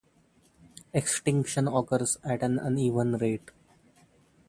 Extinction occurs at an uneven rate.